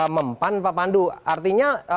mempan pak pandu artinya